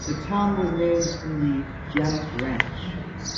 The town was named from the Gem Ranch.